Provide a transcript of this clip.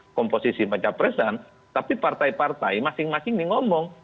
komposisi pencapresan tapi partai partai masing masing ini ngomong